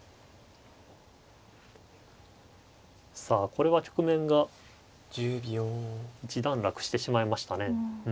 さあこれは局面が一段落してしまいましたね。